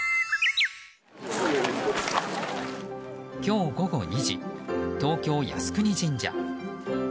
今日午後２時、東京・靖国神社。